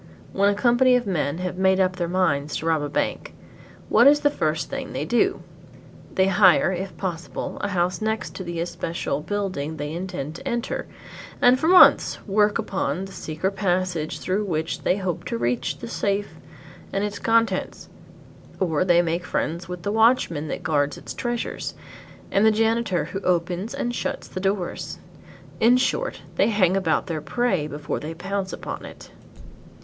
When a company of men have made up their minds to rob a bank, what is the first thing they do? They hire, if possible, a house next to the especial building they intend to enter, and for months work upon the secret passage through which they hope to reach the safe and its contents; or they make friends with the watchman that guards its treasures, and the janitor who opens and shuts the doors. In short they hang about their prey before they pounce upon it.